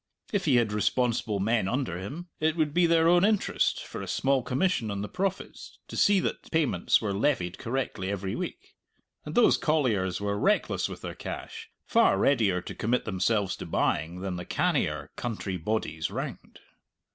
If he had responsible men under him, it would be their own interest, for a small commission on the profits, to see that payments were levied correctly every week. And those colliers were reckless with their cash, far readier to commit themselves to buying than the cannier country bodies round.